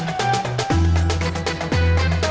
mau lari kemana